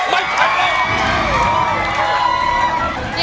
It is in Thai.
ไม่ไข้เลย